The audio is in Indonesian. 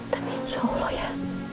tapi insya allah ya